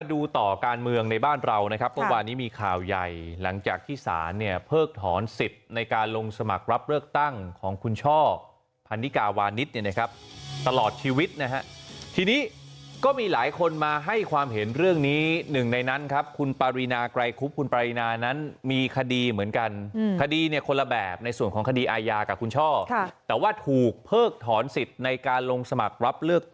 ดูต่อการเมืองในบ้านเรานะครับวันนี้มีข่าวใหญ่หลังจากที่สารเนี่ยเพิกถอนสิทธิ์ในการลงสมัครรับเลือกตั้งของคุณช่อพันธิกาวานิตเนี่ยนะครับตลอดชีวิตนะฮะทีนี้ก็มีหลายคนมาให้ความเห็นเรื่องนี้หนึ่งในนั้นครับคุณปรินาไกรคุบคุณปรินานั้นมีคดีเหมือนกันคดีเนี่ยคนละแบบในส่วนของคดีอายากับค